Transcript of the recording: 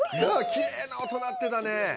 きれいな音鳴ってたね。